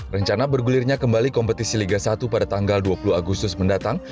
rencana bergulirnya kembali kompetisi liga satu pada tanggal dua puluh agustus mendatang